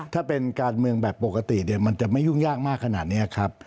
ถ้าเป็นการเมืองแบบปกติเนี่ยมันจะไม่ยุ่งยากมากขนาดนี้ครับ